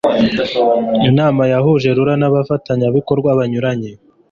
inama yahuje rura n abafatanyabikorwa banyuranye